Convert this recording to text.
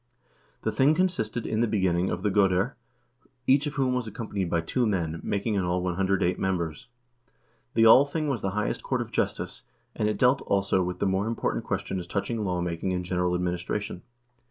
The thing consisted, in the beginning, of the goder, each of whom was accompanied by two men, making in all 108 mem bers. The Althing was the highest court of justice, and it dealt also with the more important questions touching lawmaking and general administration.